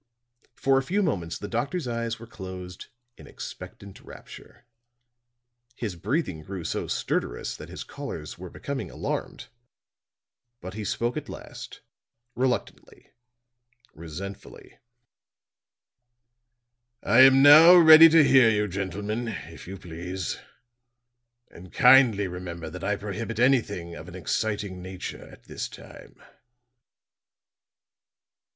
For a few moments the doctor's eyes were closed in expectant rapture; his breathing grew so stertorous that his callers were becoming alarmed; but he spoke at last, reluctantly, resentfully. "I am now ready to hear you, gentlemen, if you please. And kindly remember that I prohibit anything of an exciting nature at this time."